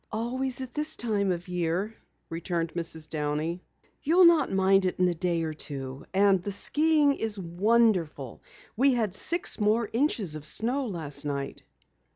"Always at this time of year," returned Mrs. Downey. "You'll not mind it in a day or two. And the skiing is wonderful. We had six more inches of snow last night."